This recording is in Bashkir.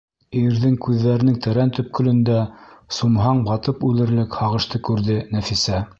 Ирҙең күҙҙәренең тәрән төпкөлөндә сумһаң батып үлерлек һағышты күрҙе Нәфисә.